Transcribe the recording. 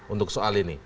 untuk soal ini